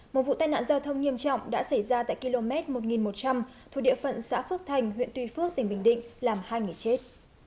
một vụ tai nạn giao thông nghiêm trọng đã xảy ra tại km một nghìn một trăm linh thuộc địa phận xã phước thành huyện tuy phước tỉnh bình định làm hai người chết